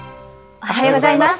おはようございます。